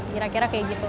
kira kira kayak gitu